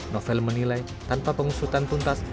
novel menilai tanpa pengusutan tuntas